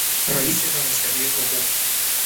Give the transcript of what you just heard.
رییس دانشکدهی حقوق